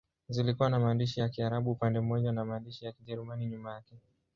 Zilikuwa na maandishi ya Kiarabu upande mmoja na maandishi ya Kijerumani nyuma yake.